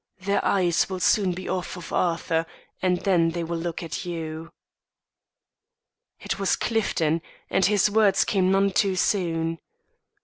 Their eyes will soon be off of Arthur, and then they will look at you." It was Clifton, and his word came none too soon.